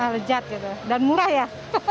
lejat gitu dan murah ya